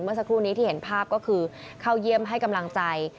เมื่อสักครู่นี้ที่เห็นภาพก็คือเข้าเยี่ยมให้กำลังใจ